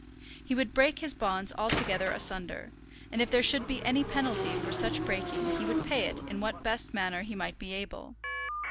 He would break his bonds altogether asunder, and if there should be any penalty for such breaking he would pay it in what best manner he might be able.